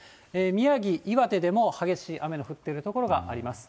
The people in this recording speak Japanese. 宮城、岩手でも激しい雨の降っている所があります。